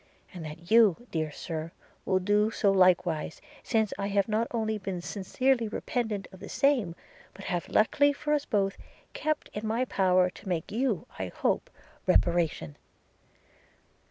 – and that you, dear Sir, will do so likewise, since I have not only been sincerely repentant of the same, but have, luckily for us both, kept it in my power to make you, I hope, reparation.